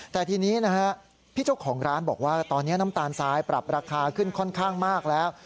แต่ทีนี้นะฮะพี่เจ้าของร้านบอกว่าตอนนี้น้ำตาลทรายปรับราคาขึ้นค่อนข้างมากแล้ว